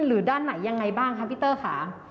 หรือด้านไหนอย่างไรบ้างครับพี่เตอะคะ